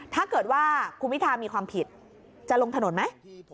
ถ้าเกิดว่าคุณพิทามีความผิดจะลงถนนไหม